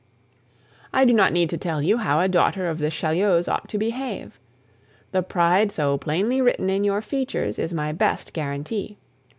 "I do not need to tell you how a daughter of the Chaulieus ought to behave. The pride so plainly written in your features is my best guarantee.